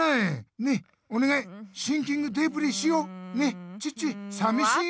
ねっおねがいシンキングデープリーしよう？ねチッチさみしいよ。